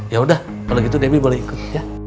yaudah kalau gitu debbie boleh ikut